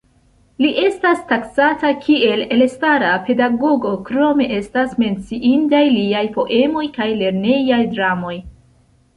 Li estas taksata, kiel elstara pedagogo, krome estas menciindaj liaj poemoj kaj lernejaj dramoj.